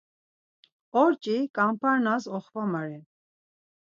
Orç̌i Ǩamp̌arnas oxvame ren.